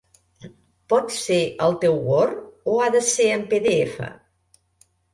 Pot ser el teu word o ha de ser en pe de efa?